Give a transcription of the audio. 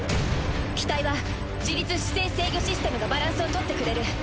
機体は自律姿勢制御システムがバランスを取ってくれる。